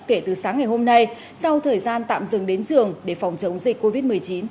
kể từ sáng ngày hôm nay sau thời gian tạm dừng đến trường để phòng chống dịch covid một mươi chín